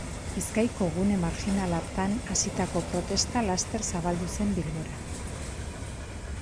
Bizkaiko gune marjinal hartan hasitako protesta laster zabaldu zen Bilbora.